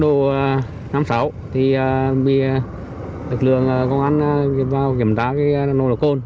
nước đồ năm mươi sáu thì bị lực lượng công an vào kiểm tra nồng độ cồn